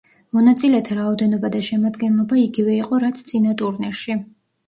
მონაწილეთა რაოდენობა და შემადგენლობა იგივე იყო რაც წინა ტურნირში.